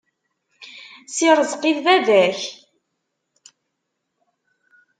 Si Rezqi d baba-k?